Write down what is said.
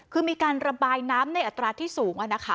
คือมีการระบายน้ำในอัตราที่สูง